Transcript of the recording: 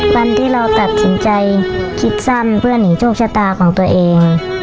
วันที่เราตัดสินใจคิดสั้นเพื่อหนีโชคชะตาของตัวเอง